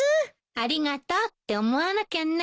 ありがとうって思わなきゃね。